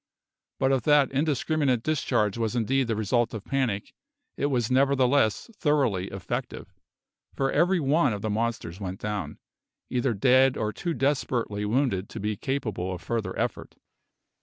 But if that indiscriminate discharge was indeed the result of panic it was nevertheless thoroughly effective, for every one of the monsters went down, either dead or too desperately wounded to be capable of further effort.